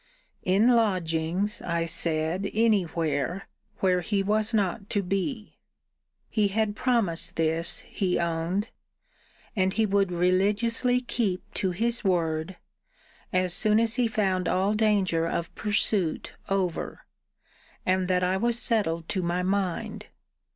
In lodgings, I said, any where, where he was not to be. He had promised this, he owned; and he would religiously keep to his word, as soon as he found all danger of pursuit over; and that I was settled to my mind.